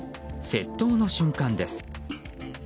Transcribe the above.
窃盗の瞬間です。